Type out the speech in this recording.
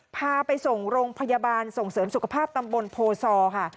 พาไปส่งโรงพยาบาลส่งเสริมสุขภาพตำบลโพซอค่ะ